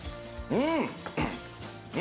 うん。